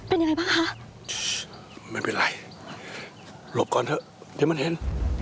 แอ้โชคมันมีอะไรหลบก่อนเดี๋ยวมันเห็น